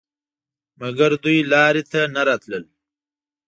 مګر دوی لارې ته نه راتلل.